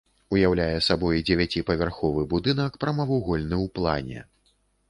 Уяўляе сабой дзевяціпавярховы будынак прамавугольны ў плане.